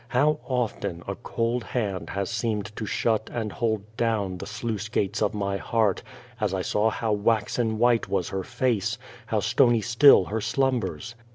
How often a cold hand has seemed to shut and hold down the sluice gates of my heart, as I saw how waxen white was her face, how stony still her slumbers.